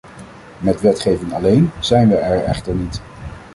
Met wetgeving alleen zijn we er echter niet.